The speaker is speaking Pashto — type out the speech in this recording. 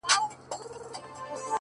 • ور پسې وه د خزان وحشي بادونه,